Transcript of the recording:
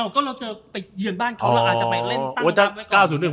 เอ้าก็เราจะไปเยือนบ้านเขาเราอาจจะไปเล่นตั้งตามไว้ก่อน